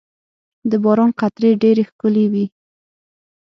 • د باران قطرې ډېرې ښکلي وي.